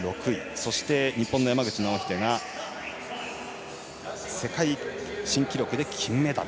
そして、日本の山口尚秀が世界新記録で金メダル。